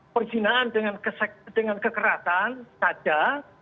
perjinaan dengan kekerasan saja